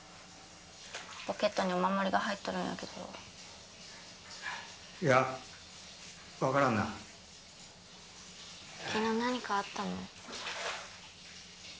ポケットにお守りが入っとるんやけどいや分からんな昨日何かあったの？